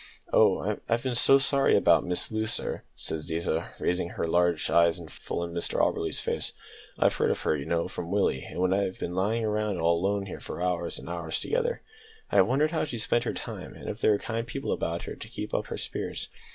"Oh, I've been so sorry about Miss Loo, sir," said Ziza, raising her large eyes full in Mr Auberly's face; "I've heard of her, you know, from Willie, and when I've been lying all alone here for hours and hours together, I have wondered how she spent her time, and if there were kind people about her to keep up her spirits.